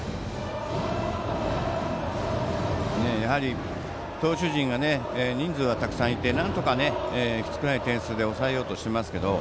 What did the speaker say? やはり投手陣が人数がたくさんいてなんとかきつくない点数で抑えようとしていますけども。